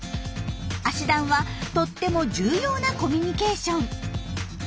足ダンはとっても重要なコミュニケーション。